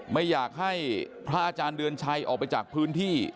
ไม่อยากให้พระอาจารย์เดือนชัยออกไปจากพื้นที่